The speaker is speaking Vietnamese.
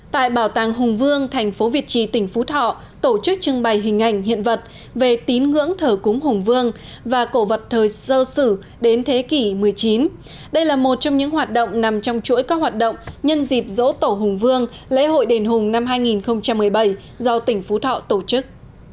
tại bảo tàng hùng vương thành phố việt trì tỉnh phú thọ tổ chức trưng bày hình ảnh hiện vật về tín ngưỡng thờ cúng hùng vương và cổ vật thời sơ sử đến thế kỷ một mươi chín đây là một trong những hoạt động nằm trong chuỗi các hoạt động nhân dịp dỗ tổ hùng vương lễ hội đền hùng năm hai nghìn một mươi bảy do tỉnh phú thọ tổ chức